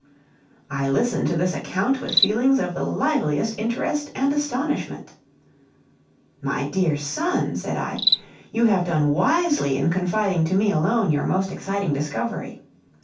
I listened to this account with feelings of the liveliest interest and astonishment. "My dear son," said I, "you have done wisely in confiding to me alone your most exciting discovery.